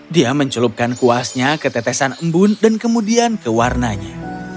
dia mencelupkan kuasnya ke tetesan embun dan kemudian ke warnanya